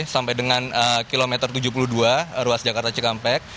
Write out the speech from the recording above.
sampai dengan kilometer tujuh puluh dua ruas jakarta cikampek